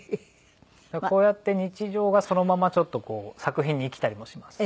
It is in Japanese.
こうやって日常がそのままちょっとこう作品に生きたりもします。